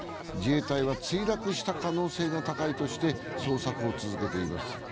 自衛隊は墜落した可能性が高いとして捜索を続けています。